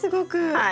はい。